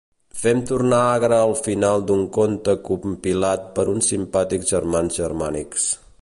Fem tornar agre el final d'un conte compilat per uns simpàtics germans germànics.